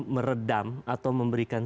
meredam atau memberikan